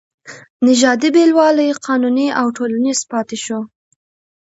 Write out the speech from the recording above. نژادي بېلوالی قانوني او ټولنیز پاتې شو.